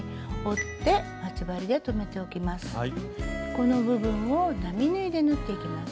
この部分を並縫いで縫っていきます。